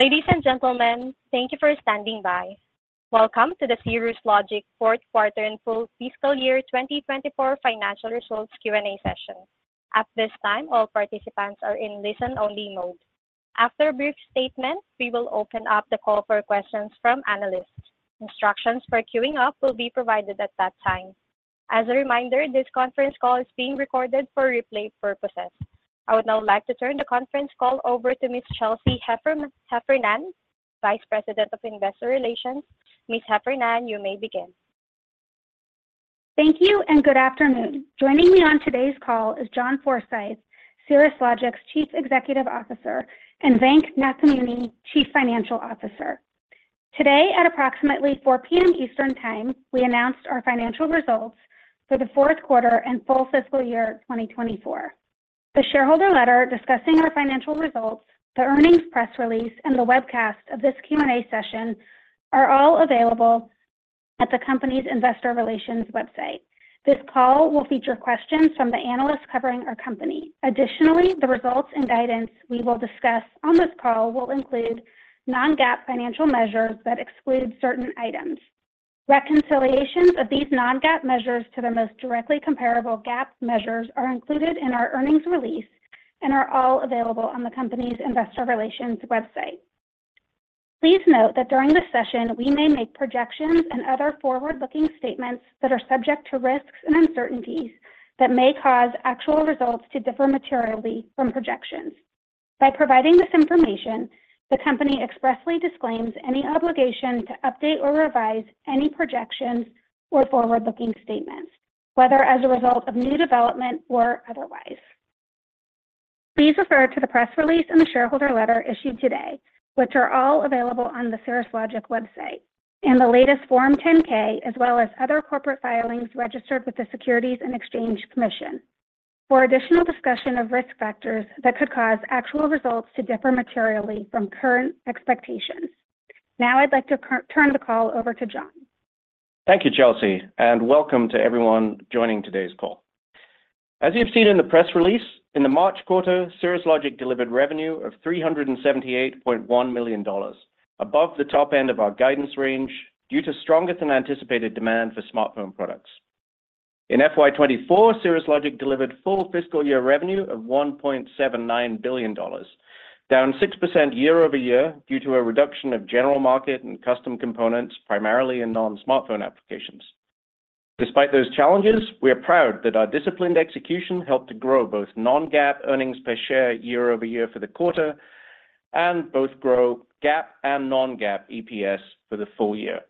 Ladies and gentlemen, thank you for standing by. Welcome to the Cirrus Logic fourth quarter and full fiscal year 2024 financial results Q&A session. At this time, all participants are in listen-only mode. After a brief statement, we will open up the call for questions from analysts. Instructions for queuing up will be provided at that time. As a reminder, this conference call is being recorded for replay purposes. I would now like to turn the conference call over to Ms. Chelsea Heffernan, Vice President of Investor Relations. Ms. Heffernan, you may begin. Thank you and good afternoon. Joining me on today's call is John Forsyth, Cirrus Logic's Chief Executive Officer, and Venk Nathamuni, Chief Financial Officer. Today at approximately 4:00 P.M. Eastern Time, we announced our financial results for the fourth quarter and full fiscal year 2024. The shareholder letter discussing our financial results, the earnings press release, and the webcast of this Q&A session are all available at the company's Investor Relations website. This call will feature questions from the analysts covering our company. Additionally, the results and guidance we will discuss on this call will include non-GAAP financial measures that exclude certain items. Reconciliations of these non-GAAP measures to their most directly comparable GAAP measures are included in our earnings release and are all available on the company's Investor Relations website. Please note that during this session, we may make projections and other forward-looking statements that are subject to risks and uncertainties that may cause actual results to differ materially from projections. By providing this information, the company expressly disclaims any obligation to update or revise any projections or forward-looking statements, whether as a result of new development or otherwise. Please refer to the press release and the shareholder letter issued today, which are all available on the Cirrus Logic website, and the latest Form 10-K as well as other corporate filings registered with the Securities and Exchange Commission for additional discussion of risk factors that could cause actual results to differ materially from current expectations. Now I'd like to turn the call over to John. Thank you, Chelsea, and welcome to everyone joining today's call. As you've seen in the press release, in the March quarter, Cirrus Logic delivered revenue of $378.1 million, above the top end of our guidance range due to stronger-than-anticipated demand for smartphone products. In FY 2024, Cirrus Logic delivered full fiscal year revenue of $1.79 billion, down 6% year-over-year due to a reduction of general market and custom components primarily in non-smartphone applications. Despite those challenges, we are proud that our disciplined execution helped to grow both non-GAAP earnings per share year-over-year for the quarter and both grow GAAP and non-GAAP EPS for the full year.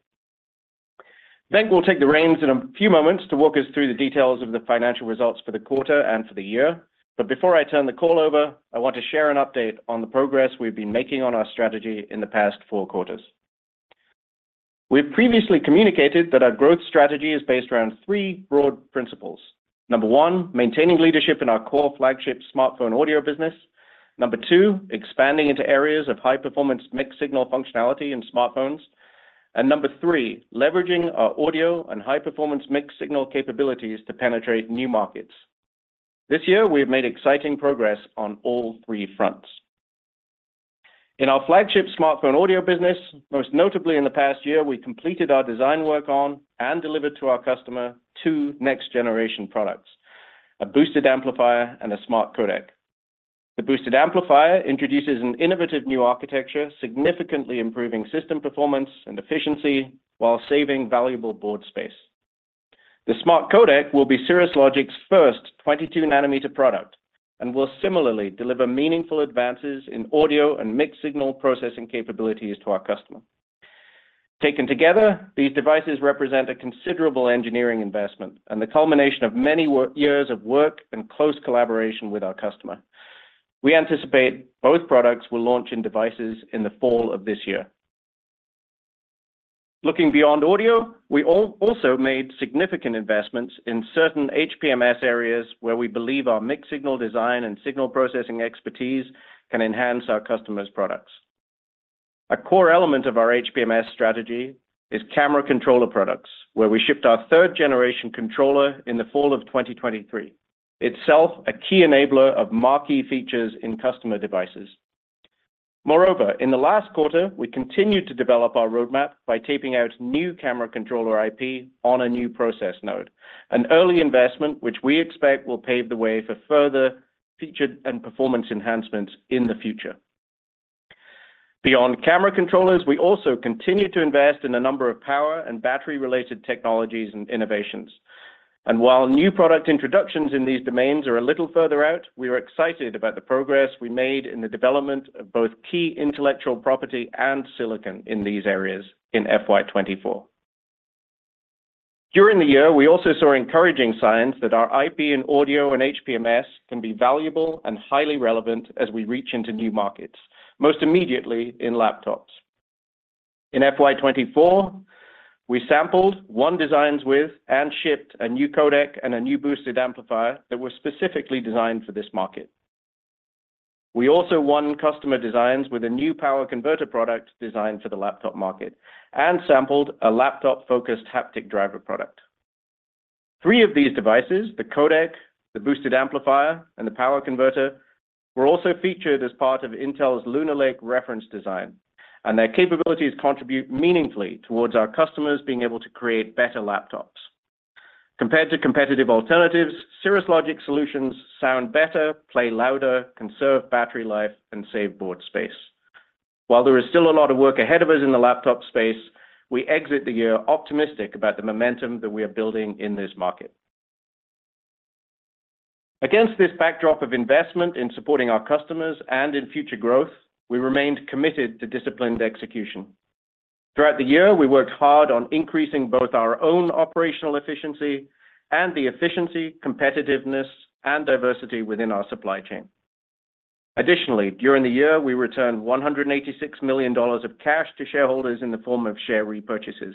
Venk will take the reins in a few moments to walk us through the details of the financial results for the quarter and for the year. But before I turn the call over, I want to share an update on the progress we've been making on our strategy in the past four quarters. We've previously communicated that our growth strategy is based around three broad principles. Number one, maintaining leadership in our core flagship smartphone audio business. Number two, expanding into areas of high-performance mixed-signal functionality in smartphones. And number three, leveraging our audio and high-performance mixed-signal capabilities to penetrate new markets. This year, we have made exciting progress on all three fronts. In our flagship smartphone audio business, most notably in the past year, we completed our design work on and delivered to our customer two next-generation products: a boosted amplifier and a smart codec. The boosted amplifier introduces an innovative new architecture, significantly improving system performance and efficiency while saving valuable board space. The smart codec will be Cirrus Logic's first 22-nanometer product and will similarly deliver meaningful advances in audio and mixed-signal processing capabilities to our customer. Taken together, these devices represent a considerable engineering investment and the culmination of many years of work and close collaboration with our customer. We anticipate both products will launch in devices in the fall of this year. Looking beyond audio, we also made significant investments in certain HPMS areas where we believe our mixed-signal design and signal processing expertise can enhance our customers' products. A core element of our HPMS strategy is camera controller products, where we shipped our third-generation controller in the fall of 2023, itself a key enabler of marquee features in customer devices. Moreover, in the last quarter, we continued to develop our roadmap by taping out new camera controller IP on a new process node, an early investment which we expect will pave the way for further feature and performance enhancements in the future. Beyond camera controllers, we also continue to invest in a number of power and battery-related technologies and innovations. While new product introductions in these domains are a little further out, we are excited about the progress we made in the development of both key intellectual property and silicon in these areas in FY 2024. During the year, we also saw encouraging signs that our IP in audio and HPMS can be valuable and highly relevant as we reach into new markets, most immediately in laptops. In FY 2024, we sampled one design win and shipped a new codec and a new boosted amplifier that were specifically designed for this market. We also won customer design wins with a new power converter product designed for the laptop market and sampled a laptop-focused haptic driver product. Three of these devices, the codec, the boosted amplifier, and the power converter, were also featured as part of Intel's Lunar Lake reference design, and their capabilities contribute meaningfully towards our customers being able to create better laptops. Compared to competitive alternatives, Cirrus Logic solutions sound better, play louder, conserve battery life, and save board space. While there is still a lot of work ahead of us in the laptop space, we exit the year optimistic about the momentum that we are building in this market. Against this backdrop of investment in supporting our customers and in future growth, we remained committed to disciplined execution. Throughout the year, we worked hard on increasing both our own operational efficiency and the efficiency, competitiveness, and diversity within our supply chain. Additionally, during the year, we returned $186 million of cash to shareholders in the form of share repurchases.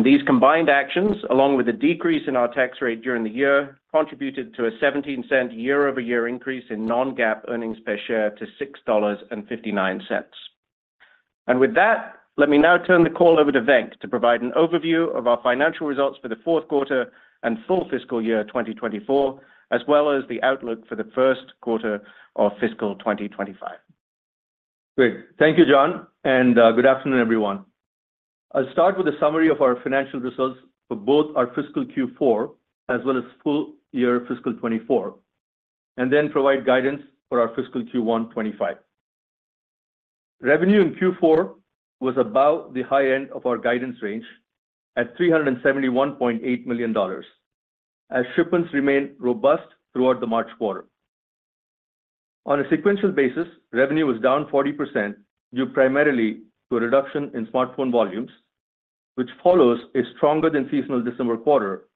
These combined actions, along with a decrease in our tax rate during the year, contributed to a $0.17 year-over-year increase in non-GAAP earnings per share to $6.59. With that, let me now turn the call over to Venk to provide an overview of our financial results for the fourth quarter and full fiscal year 2024, as well as the outlook for the first quarter of fiscal 2025. Great. Thank you, John, and good afternoon, everyone. I'll start with a summary of our financial results for both our fiscal Q4 as well as full year fiscal 2024, and then provide guidance for our fiscal Q1 2025. Revenue in Q4 was above the high end of our guidance range at $371.8 million as shipments remained robust throughout the March quarter. On a sequential basis, revenue was down 40% due primarily to a reduction in smartphone volumes, which follows a stronger-than-seasonal December quarter,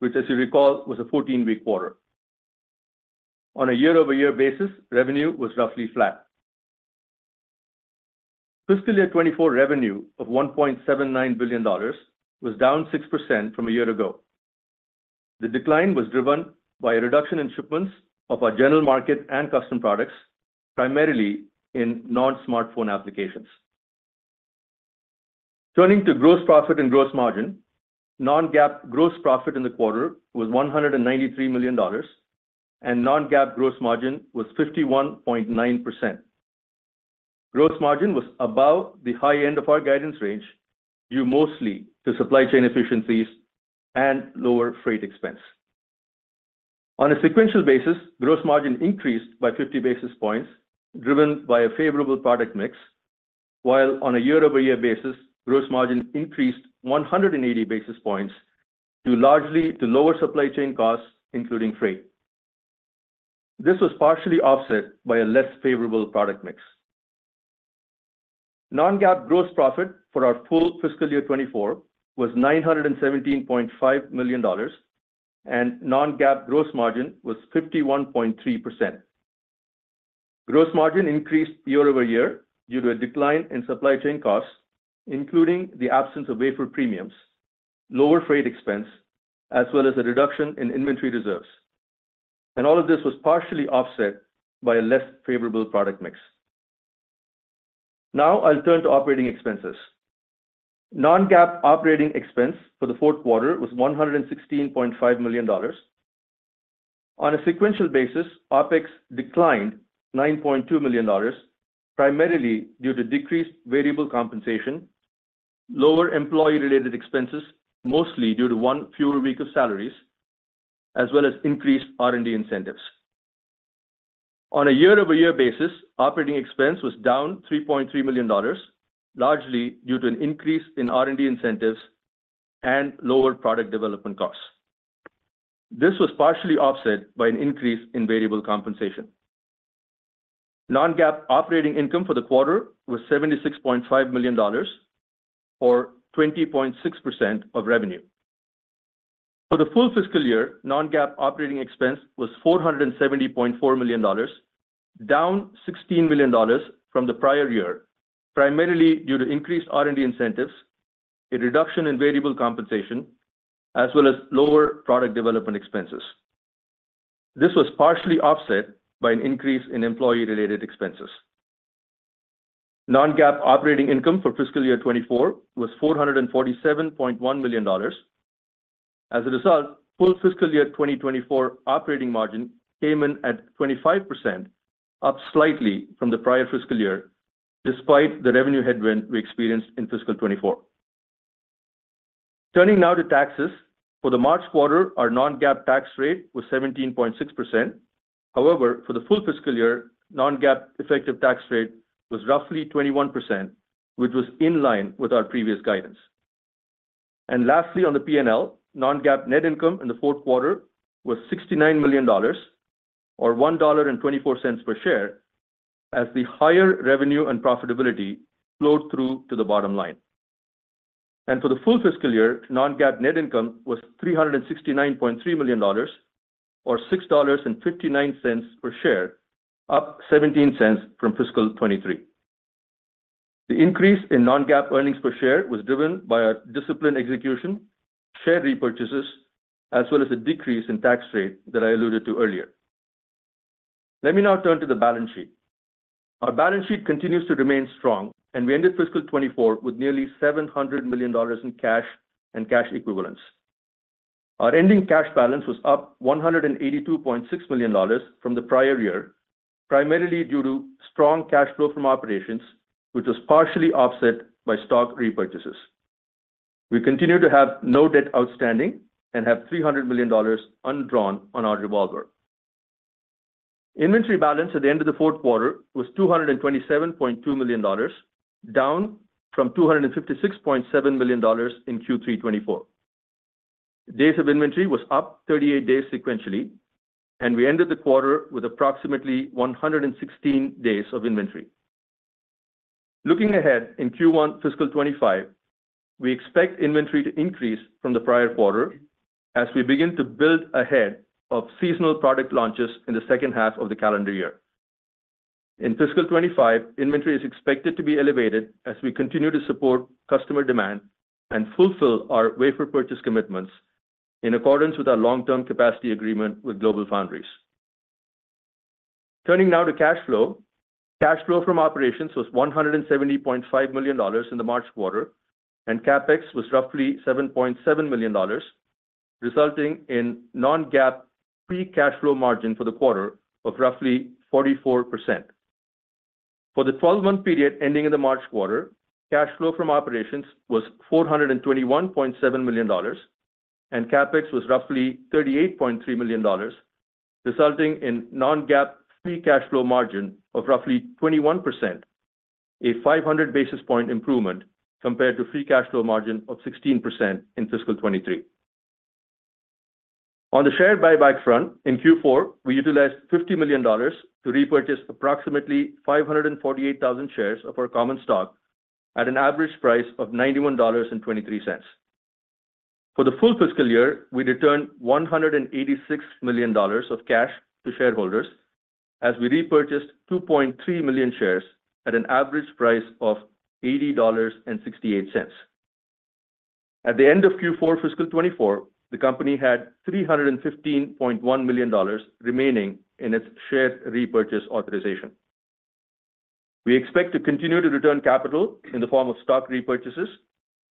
which, as you recall, was a 14-week quarter. On a year-over-year basis, revenue was roughly flat. Fiscal year 2024 revenue of $1.79 billion was down 6% from a year ago. The decline was driven by a reduction in shipments of our general market and custom products, primarily in non-smartphone applications. Turning to gross profit and gross margin, non-GAAP gross profit in the quarter was $193 million, and non-GAAP gross margin was 51.9%. Gross margin was above the high end of our guidance range due mostly to supply chain efficiencies and lower freight expense. On a sequential basis, gross margin increased by 50 basis points, driven by a favorable product mix, while on a year-over-year basis, gross margin increased 180 basis points largely to lower supply chain costs, including freight. This was partially offset by a less favorable product mix. Non-GAAP gross profit for our full fiscal year 2024 was $917.5 million, and non-GAAP gross margin was 51.3%. Gross margin increased year-over-year due to a decline in supply chain costs, including the absence of wafer premiums, lower freight expense, as well as a reduction in inventory reserves. All of this was partially offset by a less favorable product mix. Now I'll turn to operating expenses. Non-GAAP operating expense for the fourth quarter was $116.5 million. On a sequential basis, OPEX declined $9.2 million, primarily due to decreased variable compensation, lower employee-related expenses, mostly due to one fewer week of salaries, as well as increased R&D incentives. On a year-over-year basis, operating expense was down $3.3 million, largely due to an increase in R&D incentives and lower product development costs. This was partially offset by an increase in variable compensation. Non-GAAP operating income for the quarter was $76.5 million, or 20.6% of revenue. For the full fiscal year, non-GAAP operating expense was $470.4 million, down $16 million from the prior year, primarily due to increased R&D incentives, a reduction in variable compensation, as well as lower product development expenses. This was partially offset by an increase in employee-related expenses. Non-GAAP operating income for fiscal year 2024 was $447.1 million. As a result, full fiscal year 2024 operating margin came in at 25%, up slightly from the prior fiscal year, despite the revenue headwind we experienced in fiscal 2024. Turning now to taxes, for the March quarter, our non-GAAP tax rate was 17.6%. However, for the full fiscal year, non-GAAP effective tax rate was roughly 21%, which was in line with our previous guidance. Lastly, on the P&L, non-GAAP net income in the fourth quarter was $69 million, or $1.24 per share, as the higher revenue and profitability flowed through to the bottom line. For the full fiscal year, non-GAAP net income was $369.3 million, or $6.59 per share, up $0.17 from fiscal 2023. The increase in non-GAAP earnings per share was driven by our disciplined execution, share repurchases, as well as a decrease in tax rate that I alluded to earlier. Let me now turn to the balance sheet. Our balance sheet continues to remain strong, and we ended fiscal 2024 with nearly $700 million in cash and cash equivalents. Our ending cash balance was up $182.6 million from the prior year, primarily due to strong cash flow from operations, which was partially offset by stock repurchases. We continue to have no debt outstanding and have $300 million undrawn on our revolver. Inventory balance at the end of the fourth quarter was $227.2 million, down from $256.7 million in Q3 2024. Days of inventory was up 38 days sequentially, and we ended the quarter with approximately 116 days of inventory. Looking ahead in Q1 fiscal 2025, we expect inventory to increase from the prior quarter as we begin to build ahead of seasonal product launches in the second half of the calendar year. In fiscal 2025, inventory is expected to be elevated as we continue to support customer demand and fulfill our wafer purchase commitments in accordance with our long-term capacity agreement with GlobalFoundries. Turning now to cash flow, cash flow from operations was $170.5 million in the March quarter, and CapEx was roughly $7.7 million, resulting in non-GAAP free cash flow margin for the quarter of roughly 44%. For the 12-month period ending in the March quarter, cash flow from operations was $421.7 million, and CapEx was roughly $38.3 million, resulting in non-GAAP free cash flow margin of roughly 21%, a 500 basis point improvement compared to free cash flow margin of 16% in fiscal 2023. On the share buyback front in Q4, we utilized $50 million to repurchase approximately 548,000 shares of our common stock at an average price of $91.23. For the full fiscal year, we returned $186 million of cash to shareholders as we repurchased 2.3 million shares at an average price of $80.68. At the end of Q4 fiscal 2024, the company had $315.1 million remaining in its share repurchase authorization. We expect to continue to return capital in the form of stock repurchases,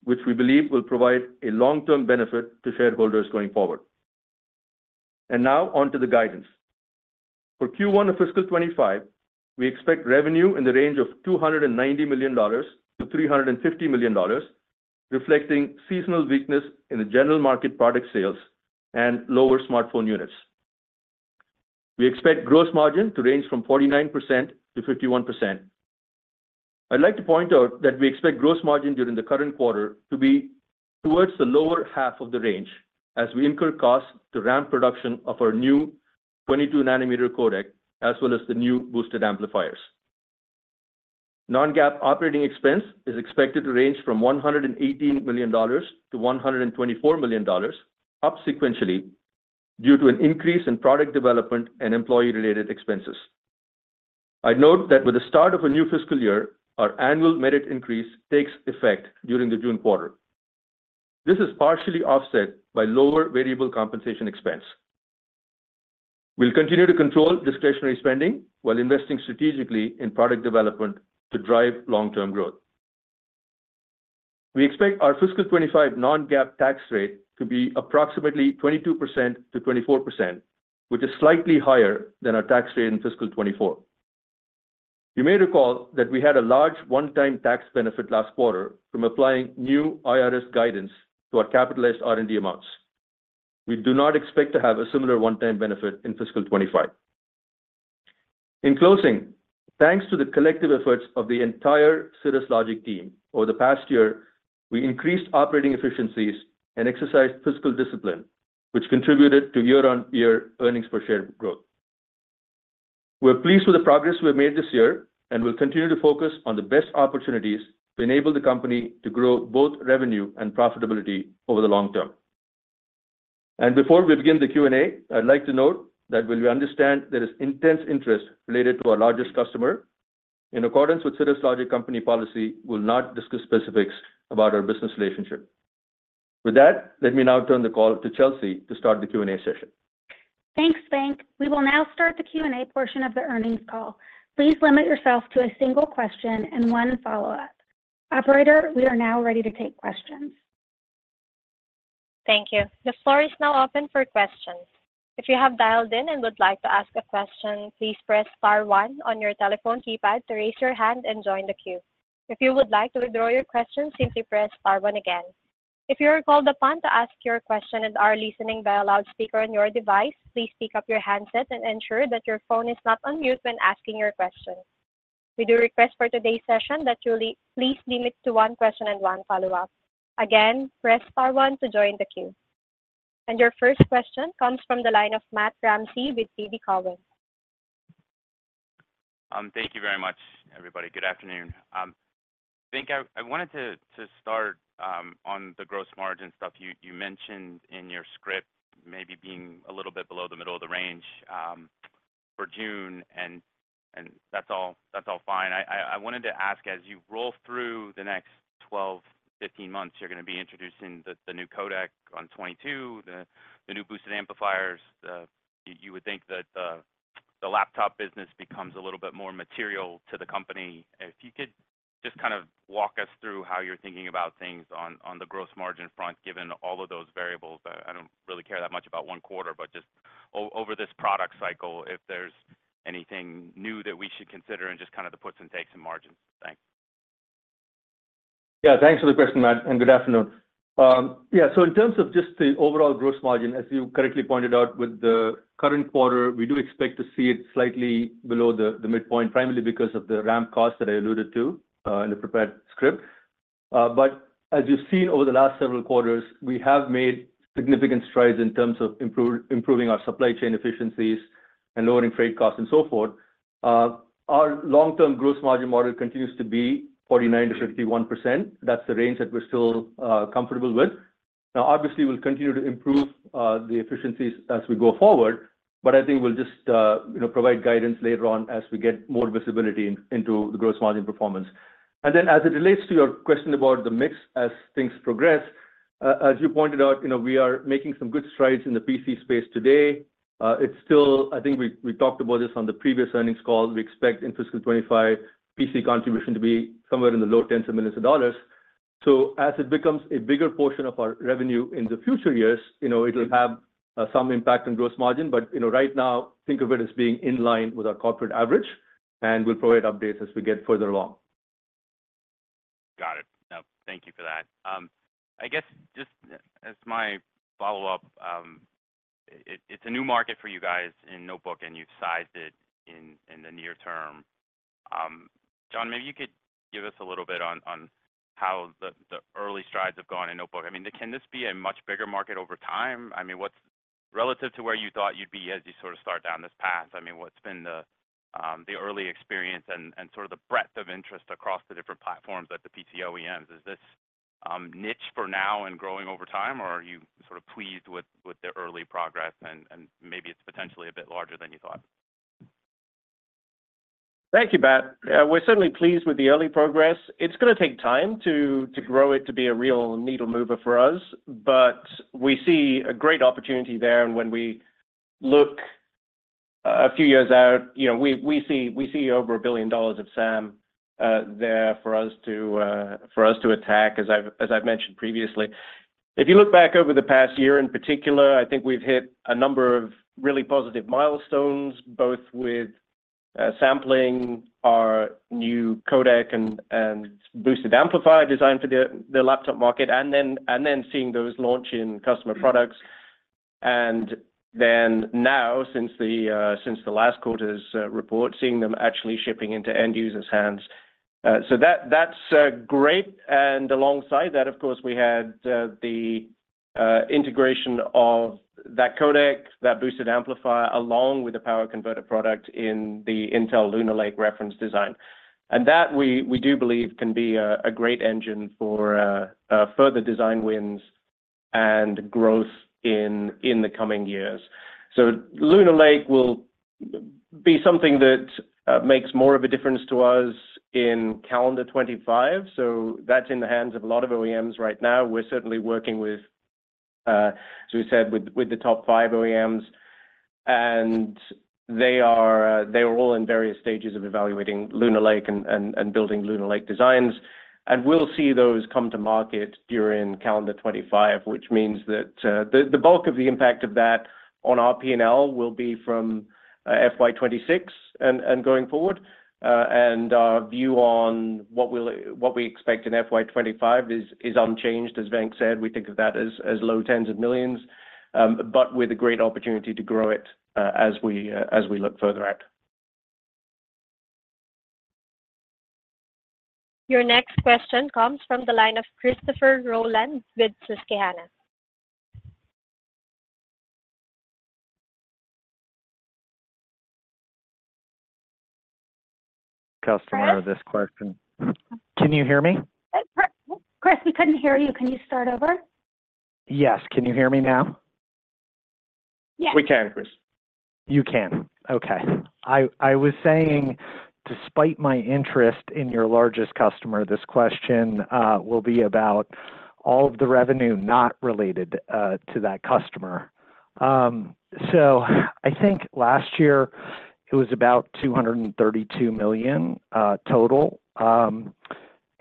which we believe will provide a long-term benefit to shareholders going forward. Now onto the guidance. For Q1 of fiscal 2025, we expect revenue in the range of $290 million-$350 million, reflecting seasonal weakness in the general market product sales and lower smartphone units. We expect gross margin to range from 49%-51%. I'd like to point out that we expect gross margin during the current quarter to be towards the lower half of the range as we incur costs to ramp production of our new 22-nanometer codec as well as the new boosted amplifiers. Non-GAAP operating expense is expected to range from $118 million-$124 million, up sequentially due to an increase in product development and employee-related expenses. I'd note that with the start of a new fiscal year, our annual merit increase takes effect during the June quarter. This is partially offset by lower variable compensation expense. We'll continue to control discretionary spending while investing strategically in product development to drive long-term growth. We expect our fiscal 2025 non-GAAP tax rate to be approximately 22%-24%, which is slightly higher than our tax rate in fiscal 2024. You may recall that we had a large one-time tax benefit last quarter from applying new IRS guidance to our capitalized R&D amounts. We do not expect to have a similar one-time benefit in fiscal 2025. In closing, thanks to the collective efforts of the entire Cirrus Logic team over the past year, we increased operating efficiencies and exercised fiscal discipline, which contributed to year-on-year earnings per share growth. We're pleased with the progress we have made this year and will continue to focus on the best opportunities to enable the company to grow both revenue and profitability over the long term. Before we begin the Q&A, I'd like to note that while we understand there is intense interest related to our largest customer, in accordance with Cirrus Logic company policy, we'll not discuss specifics about our business relationship. With that, let me now turn the call to Chelsea to start the Q&A session. Thanks, Venk. We will now start the Q&A portion of the earnings call. Please limit yourself to a single question and one follow-up. Operator, we are now ready to take questions. Thank you. The floor is now open for questions. If you have dialed in and would like to ask a question, please press star one on your telephone keypad to raise your hand and join the queue. If you would like to withdraw your question, simply press star one again. If you are called upon to ask your question and are listening via loudspeaker on your device, please pick up your handset and ensure that your phone is not on mute when asking your question. We do request for today's session that you please limit to one question and one follow-up. Again, press star one to join the queue. Your first question comes from the line of Matt Ramsay with TD Cowen. Thank you very much, everybody. Good afternoon. Venk, I wanted to start on the gross margin stuff you mentioned in your script, maybe being a little bit below the middle of the range for June, and that's all fine. I wanted to ask, as you roll through the next 12, 15 months, you're going to be introducing the new codec on '22, the new boosted amplifiers. You would think that the laptop business becomes a little bit more material to the company. If you could just kind of walk us through how you're thinking about things on the gross margin front, given all of those variables. I don't really care that much about one quarter, but just over this product cycle, if there's anything new that we should consider and just kind of the puts and takes and margins. Thanks. Yeah, thanks for the question, Matt, and good afternoon. Yeah, so in terms of just the overall gross margin, as you correctly pointed out, with the current quarter, we do expect to see it slightly below the midpoint, primarily because of the ramp costs that I alluded to in the prepared script. But as you've seen over the last several quarters, we have made significant strides in terms of improving our supply chain efficiencies and lowering freight costs and so forth. Our long-term gross margin model continues to be 49%-51%. That's the range that we're still comfortable with. Now, obviously, we'll continue to improve the efficiencies as we go forward, but I think we'll just provide guidance later on as we get more visibility into the gross margin performance. As it relates to your question about the mix as things progress, as you pointed out, we are making some good strides in the PC space today. I think we talked about this on the previous earnings call. We expect in fiscal 2025, PC contribution to be somewhere in the low $10 millions. So as it becomes a bigger portion of our revenue in the future years, it'll have some impact on gross margin. But right now, think of it as being in line with our corporate average, and we'll provide updates as we get further along. Got it. No, thank you for that. I guess just as my follow-up, it's a new market for you guys in notebook, and you've sized it in the near term. John, maybe you could give us a little bit on how the early strides have gone in notebook. I mean, can this be a much bigger market over time? I mean, relative to where you thought you'd be as you sort of start down this path, I mean, what's been the early experience and sort of the breadth of interest across the different platforms at the PC OEMs? Is this niche for now and growing over time, or are you sort of pleased with the early progress, and maybe it's potentially a bit larger than you thought? Thank you, Matt. We're certainly pleased with the early progress. It's going to take time to grow it to be a real needle mover for us, but we see a great opportunity there. And when we look a few years out, we see over $1 billion of SAM there for us to attack, as I've mentioned previously. If you look back over the past year in particular, I think we've hit a number of really positive milestones, both with sampling our new codec and boosted amplifier designed for the laptop market, and then seeing those launch in customer products. And then now, since the last quarter's report, seeing them actually shipping into end users' hands. So that's great. And alongside that, of course, we had the integration of that codec, that boosted amplifier, along with the power converter product in the Intel Lunar Lake reference design. That we do believe can be a great engine for further design wins and growth in the coming years. Lunar Lake will be something that makes more of a difference to us in calendar 2025. That's in the hands of a lot of OEMs right now. We're certainly working with, as we said, with the top five OEMs. They are all in various stages of evaluating Lunar Lake and building Lunar Lake designs. We'll see those come to market during calendar 2025, which means that the bulk of the impact of that on our P&L will be from FY 2026 and going forward. Our view on what we expect in FY 2025 is unchanged. As Venk said, we think of that as low tens of $ millions, but with a great opportunity to grow it as we look further out. Your next question comes from the line of Christopher Rolland with Susquehanna. Customary first question [?] Can you hear me? Chris, we couldn't hear you. Can you start over? Yes. Can you hear me now? Yes. We can, Chris. You can. Okay. I was saying, despite my interest in your largest customer, this question will be about all of the revenue not related to that customer. So I think last year, it was about $232 million total.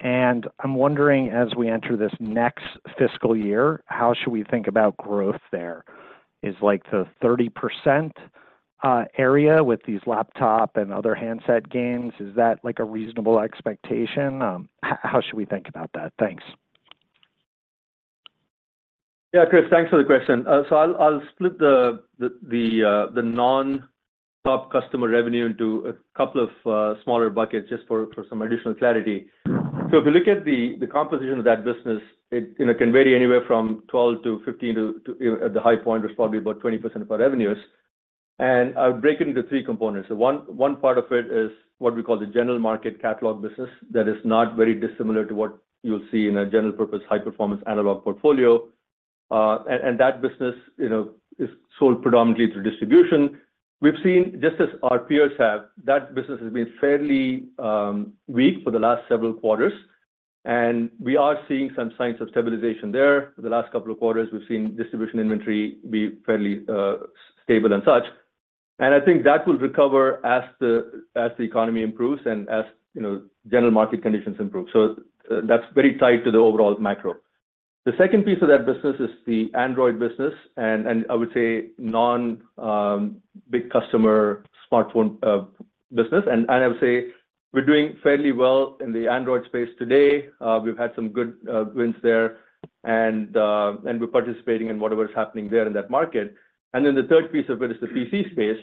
And I'm wondering, as we enter this next fiscal year, how should we think about growth there? Is the 30% area with these laptop and other handset gains, is that a reasonable expectation? How should we think about that? Thanks. Yeah, Chris, thanks for the question. So I'll split the non-top customer revenue into a couple of smaller buckets just for some additional clarity. So if you look at the composition of that business, it can vary anywhere from 12%-15% to, at the high point, it was probably about 20% of our revenues. And I would break it into three components. So one part of it is what we call the general market catalog business that is not very dissimilar to what you'll see in a general-purpose high-performance analog portfolio. And that business is sold predominantly through distribution. We've seen, just as our peers have, that business has been fairly weak for the last several quarters. And we are seeing some signs of stabilization there. The last couple of quarters, we've seen distribution inventory be fairly stable and such. I think that will recover as the economy improves and as general market conditions improve. That's very tied to the overall macro. The second piece of that business is the Android business and I would say non-big customer smartphone business. I would say we're doing fairly well in the Android space today. We've had some good wins there, and we're participating in whatever's happening there in that market. Then the third piece of it is the PC space.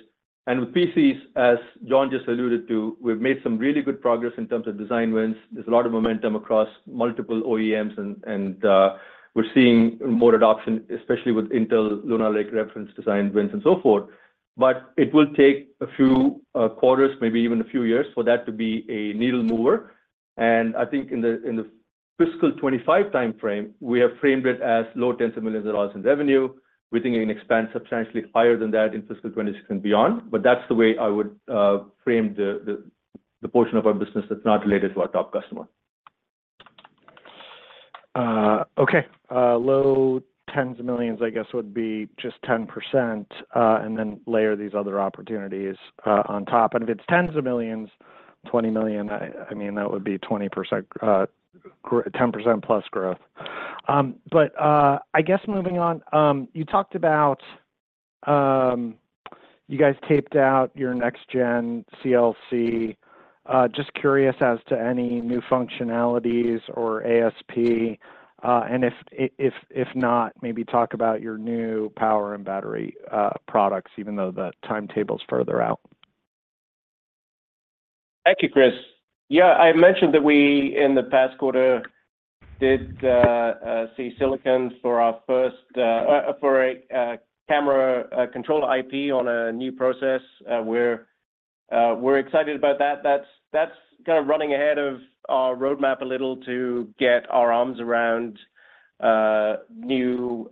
With PCs, as John just alluded to, we've made some really good progress in terms of design wins. There's a lot of momentum across multiple OEMs, and we're seeing more adoption, especially with Intel Lunar Lake reference design wins and so forth. But it will take a few quarters, maybe even a few years, for that to be a needle mover. I think in the fiscal 2025 timeframe, we have framed it as low tens of millions of dollars in revenue. We think it can expand substantially higher than that in fiscal 2026 and beyond. That's the way I would frame the portion of our business that's not related to our top customer. Okay. Low tens of millions, I guess, would be just 10% and then layer these other opportunities on top. If it's tens of millions, $20 million, I mean, that would be 10%+ growth. But I guess moving on, you talked about you guys taped out your next-gen CLC. Just curious as to any new functionalities or ASP. And if not, maybe talk about your new power and battery products, even though the timetable's further out. Thank you, Chris. Yeah, I mentioned that we in the past quarter did see silicon for our first camera controller IP on a new process. We're excited about that. That's kind of running ahead of our roadmap a little to get our arms around a new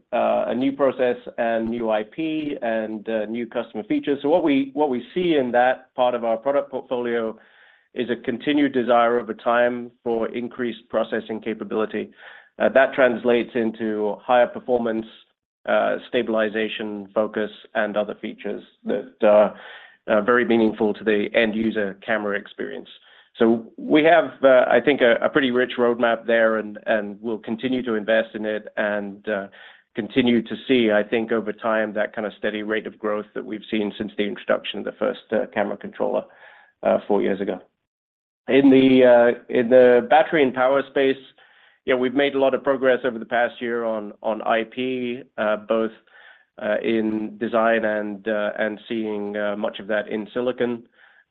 process and new IP and new customer features. So what we see in that part of our product portfolio is a continued desire over time for increased processing capability. That translates into higher performance, stabilization focus, and other features that are very meaningful to the end user camera experience. So we have, I think, a pretty rich roadmap there, and we'll continue to invest in it and continue to see, I think, over time, that kind of steady rate of growth that we've seen since the introduction of the first camera controller four years ago. In the battery and power space, yeah, we've made a lot of progress over the past year on IP, both in design and seeing much of that in silicon.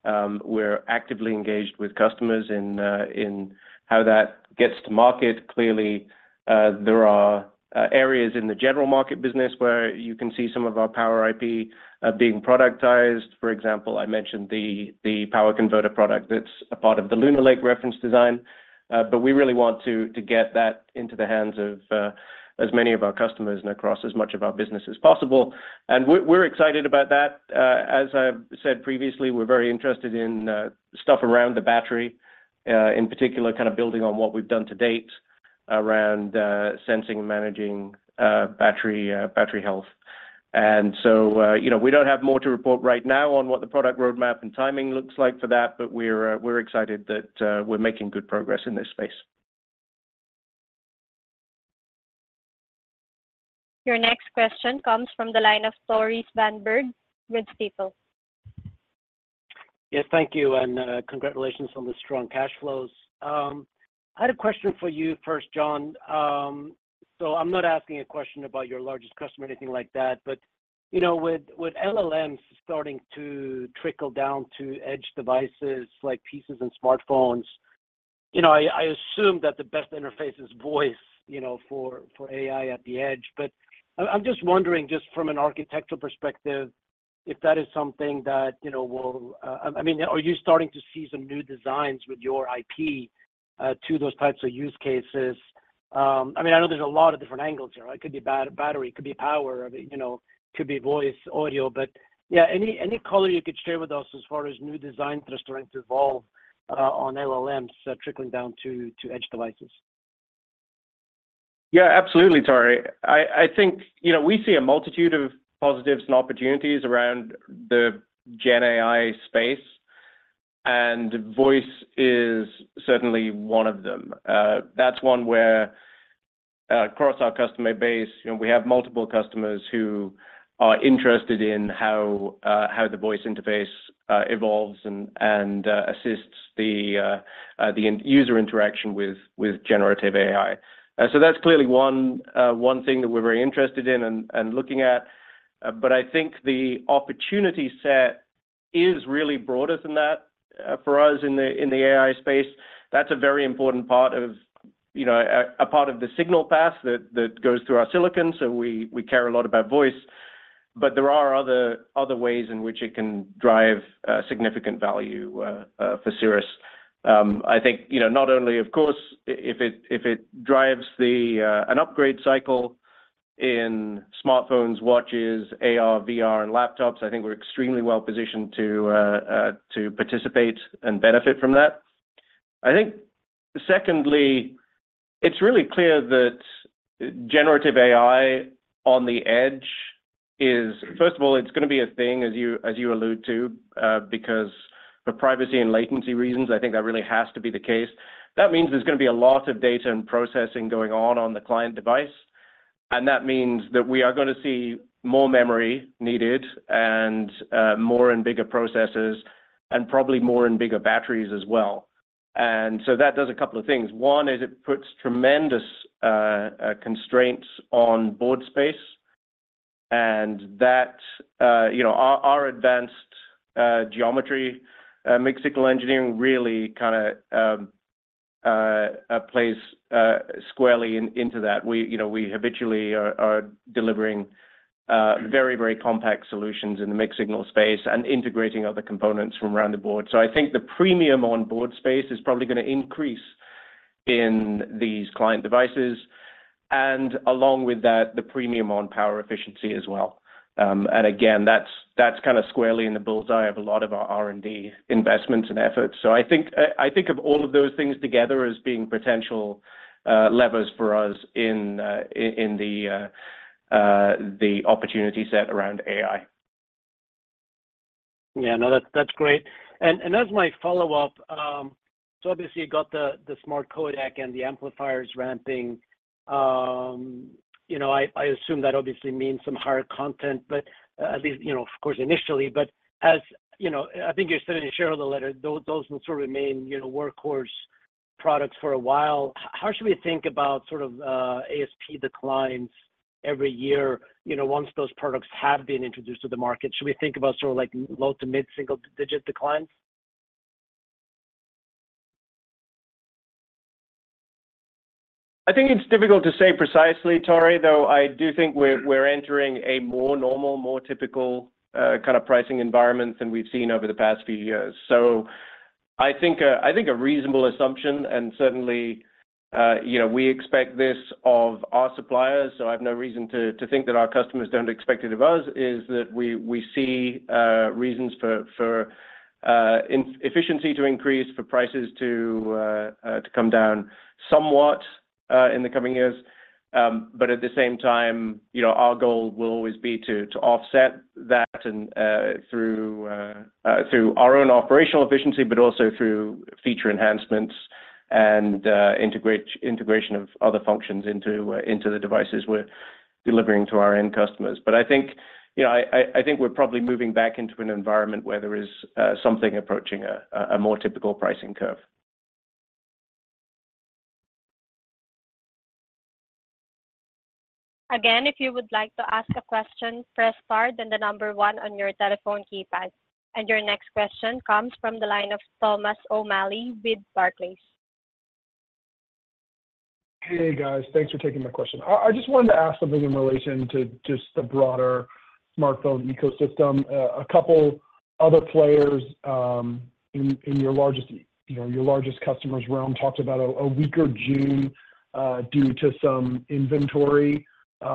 We're actively engaged with customers in how that gets to market. Clearly, there are areas in the general market business where you can see some of our power IP being productized. For example, I mentioned the power converter product that's a part of the Lunar Lake reference design. But we really want to get that into the hands of as many of our customers and across as much of our business as possible. And we're excited about that. As I've said previously, we're very interested in stuff around the battery, in particular, kind of building on what we've done to date around sensing and managing battery health. And so we don't have more to report right now on what the product roadmap and timing looks like for that, but we're excited that we're making good progress in this space. Your next question comes from the line of Tore Svanberg with Stifel. Yes, thank you, and congratulations on the strong cash flows. I had a question for you first, John. So I'm not asking a question about your largest customer or anything like that, but with LLMs starting to trickle down to edge devices like PCs and smartphones, I assume that the best interface is voice for AI at the edge. But I'm just wondering, just from an architectural perspective, if that is something, I mean, are you starting to see some new designs with your IP to those types of use cases? I mean, I know there's a lot of different angles here. It could be battery, it could be power, it could be voice, audio. But yeah, any color you could share with us as far as new designs that are starting to evolve on LLMs trickling down to edge devices. Yeah, absolutely, Tore. I think we see a multitude of positives and opportunities around the Gen AI space, and voice is certainly one of them. That's one where, across our customer base, we have multiple customers who are interested in how the voice interface evolves and assists the user interaction with generative AI. So that's clearly one thing that we're very interested in and looking at. But I think the opportunity set is really broader than that for us in the AI space. That's a very important part of a part of the signal path that goes through our silicon. So we care a lot about voice. But there are other ways in which it can drive significant value for Cirrus. I think not only, of course, if it drives an upgrade cycle in smartphones, watches, AR, VR, and laptops, I think we're extremely well positioned to participate and benefit from that. I think, secondly, it's really clear that generative AI on the edge is, first of all, it's going to be a thing, as you allude to, because for privacy and latency reasons, I think that really has to be the case. That means there's going to be a lot of data and processing going on on the client device. And that means that we are going to see more memory needed and more in bigger processors and probably more in bigger batteries as well. And so that does a couple of things. One is it puts tremendous constraints on board space. And our advanced geometry mixed signal engineering really kind of plays squarely into that. We habitually are delivering very, very compact solutions in the mixed signal space and integrating other components from around the board. So I think the premium on board space is probably going to increase in these client devices. And along with that, the premium on power efficiency as well. And again, that's kind of squarely in the bull's-eye of a lot of our R&D investments and efforts. So I think of all of those things together as being potential levers for us in the opportunity set around AI. Yeah, no, that's great. As my follow-up, so obviously, you got the smart codec and the amplifiers ramping. I assume that obviously means some higher content, but at least, of course, initially. But as I think you said in the shareholder letter, those will sort of remain workhorse products for a while. How should we think about sort of ASP declines every year once those products have been introduced to the market? Should we think about sort of low to mid-single-digit declines? I think it's difficult to say precisely, Tore, though I do think we're entering a more normal, more typical kind of pricing environment than we've seen over the past few years. So I think a reasonable assumption, and certainly we expect this of our suppliers, so I have no reason to think that our customers don't expect it of us, is that we see reasons for efficiency to increase, for prices to come down somewhat in the coming years. But at the same time, our goal will always be to offset that through our own operational efficiency, but also through feature enhancements and integration of other functions into the devices we're delivering to our end customers. But I think we're probably moving back into an environment where there is something approaching a more typical pricing curve. Again, if you would like to ask a question, press star and the number one on your telephone keypad. Your next question comes from the line of Thomas O'Malley with Barclays. Hey, guys. Thanks for taking my question. I just wanted to ask something in relation to just the broader smartphone ecosystem. A couple other players in your largest customers' realm talked about a weaker June due to some inventory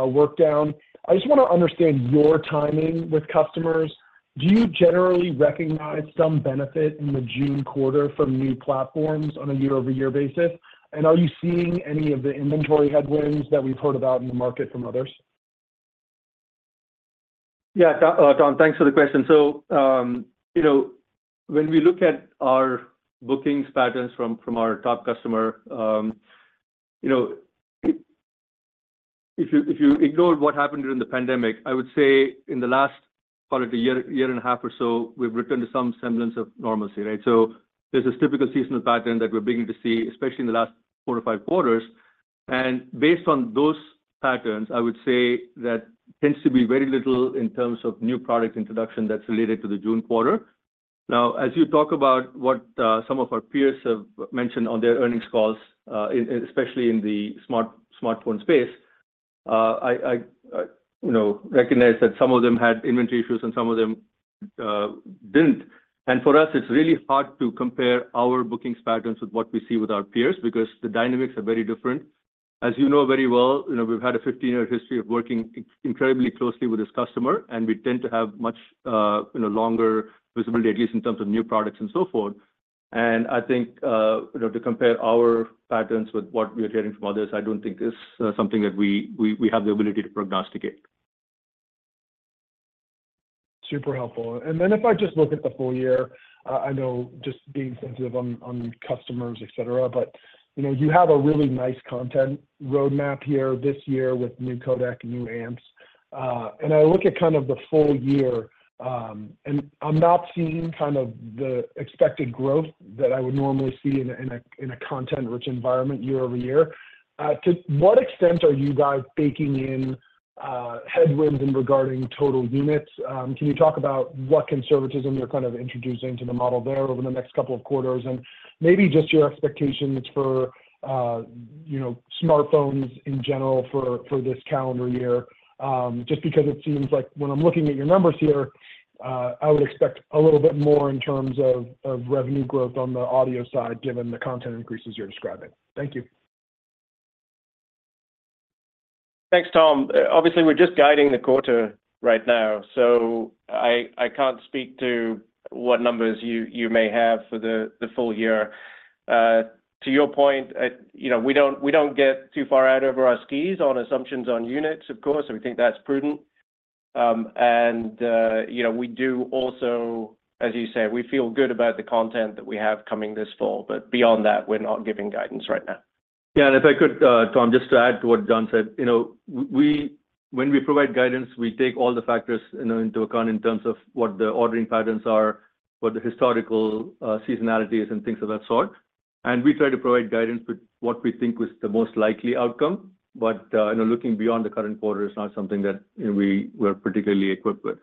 workdown. I just want to understand your timing with customers. Do you generally recognize some benefit in the June quarter from new platforms on a year-over-year basis? And are you seeing any of the inventory headwinds that we've heard about in the market from others? Yeah, Tom, thanks for the question. So when we look at our bookings patterns from our top customer, if you ignore what happened during the pandemic, I would say in the last, call it, a year and a half or so, we've returned to some semblance of normalcy, right? So there's this typical seasonal pattern that we're beginning to see, especially in the last 4-5 quarters. And based on those patterns, I would say that tends to be very little in terms of new product introduction that's related to the June quarter. Now, as you talk about what some of our peers have mentioned on their earnings calls, especially in the smartphone space, I recognize that some of them had inventory issues and some of them didn't. For us, it's really hard to compare our bookings patterns with what we see with our peers because the dynamics are very different. As you know very well, we've had a 15-year history of working incredibly closely with this customer, and we tend to have much longer visibility, at least in terms of new products and so forth. I think to compare our patterns with what we are hearing from others, I don't think it's something that we have the ability to prognosticate. Super helpful. Then if I just look at the full year, I know just being sensitive on customers, etc., but you have a really nice content roadmap here this year with new codec and new amps. I look at kind of the full year, and I'm not seeing kind of the expected growth that I would normally see in a content-rich environment year-over-year. To what extent are you guys baking in headwinds regarding total units? Can you talk about what conservatism you're kind of introducing to the model there over the next couple of quarters and maybe just your expectations for smartphones in general for this calendar year? Just because it seems like when I'm looking at your numbers here, I would expect a little bit more in terms of revenue growth on the audio side given the content increases you're describing. Thank you. Thanks, Tom. Obviously, we're just guiding the quarter right now, so I can't speak to what numbers you may have for the full year. To your point, we don't get too far out over our skis on assumptions on units, of course, and we think that's prudent. We do also, as you say, we feel good about the content that we have coming this fall. But beyond that, we're not giving guidance right now. Yeah, and if I could, Tom, just to add to what John said, when we provide guidance, we take all the factors into account in terms of what the ordering patterns are, what the historical seasonalities and things of that sort. And we try to provide guidance with what we think was the most likely outcome. But looking beyond the current quarter is not something that we're particularly equipped with.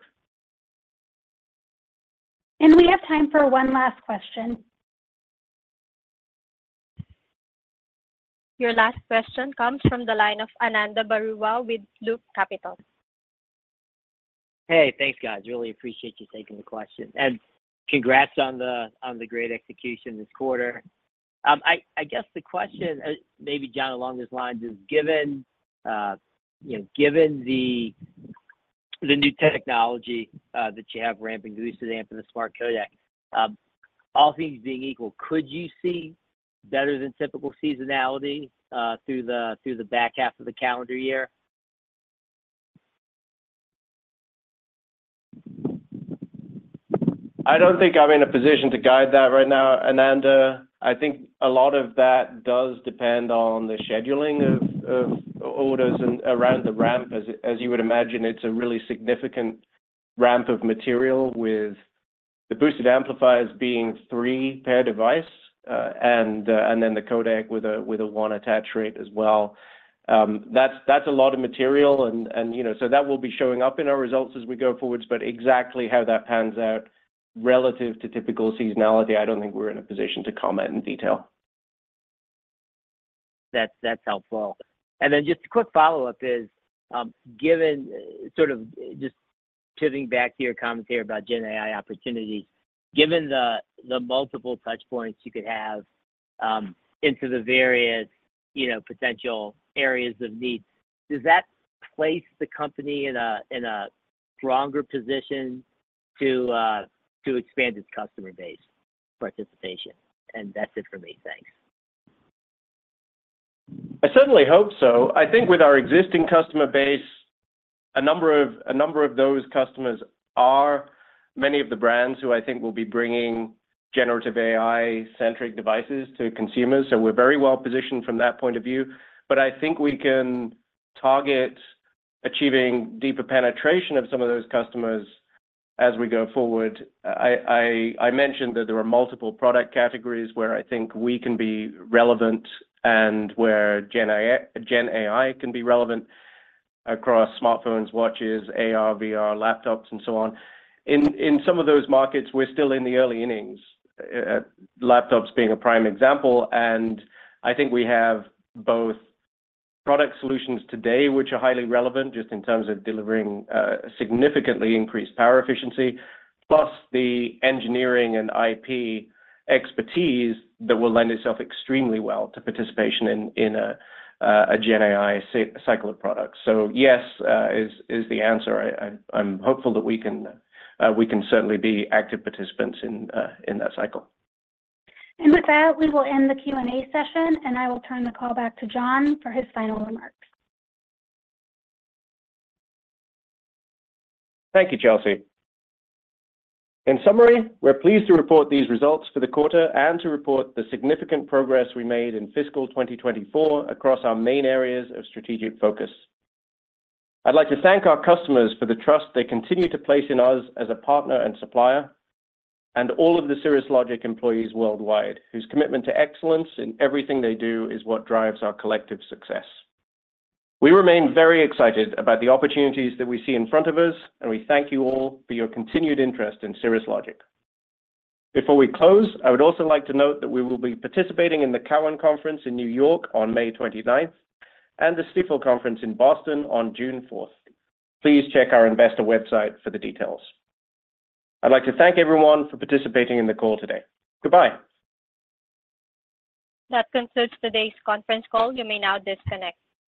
We have time for one last question. Your last question comes from the line of Ananda Baruah with Loop Capital. Hey, thanks, guys. Really appreciate you taking the question. And congrats on the great execution this quarter. I guess the question, maybe John, along this line, just given the new technology that you have ramping boosted amp and the smart codec, all things being equal, could you see better than typical seasonality through the back half of the calendar year? I don't think I'm in a position to guide that right now, Ananda. I think a lot of that does depend on the scheduling of orders and around the ramp. As you would imagine, it's a really significant ramp of material with the boosted amplifiers being 3 per device and then the codec with a 1 attach rate as well. That's a lot of material. And so that will be showing up in our results as we go forwards. But exactly how that pans out relative to typical seasonality, I don't think we're in a position to comment in detail. That's helpful. And then just a quick follow-up is, given sort of just pivoting back to your comments here about Gen AI opportunities, given the multiple touchpoints you could have into the various potential areas of need, does that place the company in a stronger position to expand its customer base participation? And that's it for me. Thanks. I certainly hope so. I think with our existing customer base, a number of those customers are many of the brands who I think will be bringing generative AI-centric devices to consumers. So we're very well positioned from that point of view. But I think we can target achieving deeper penetration of some of those customers as we go forward. I mentioned that there are multiple product categories where I think we can be relevant and where Gen AI can be relevant across smartphones, watches, AR, VR, laptops, and so on. In some of those markets, we're still in the early innings, laptops being a prime example. And I think we have both product solutions today, which are highly relevant just in terms of delivering significantly increased power efficiency, plus the engineering and IP expertise that will lend itself extremely well to participation in a Gen AI cycle of products. Yes is the answer. I'm hopeful that we can certainly be active participants in that cycle. With that, we will end the Q&A session, and I will turn the call back to John for his final remarks. Thank you, Chelsea. In summary, we're pleased to report these results for the quarter and to report the significant progress we made in fiscal 2024 across our main areas of strategic focus. I'd like to thank our customers for the trust they continue to place in us as a partner and supplier, and all of the Cirrus Logic employees worldwide, whose commitment to excellence in everything they do is what drives our collective success. We remain very excited about the opportunities that we see in front of us, and we thank you all for your continued interest in Cirrus Logic. Before we close, I would also like to note that we will be participating in the Cowen Conference in New York on May 29th and the Stifel Conference in Boston on June 4th. Please check our investor website for the details. I'd like to thank everyone for participating in the call today. Goodbye. That concludes today's conference call. You may now disconnect.